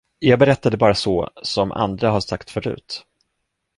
Jag berättade bara så, som andra har sagt förut.